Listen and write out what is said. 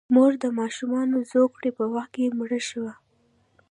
مور د ماشوم زوکړې په وخت کې مړه شوه.